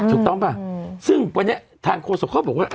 ถูกต้องป่ะซึ่งวันนี้ทางโฆษกเขาบอกว่า